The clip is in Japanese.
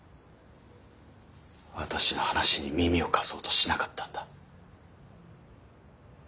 私の話に耳を貸そうとしなかったんだ。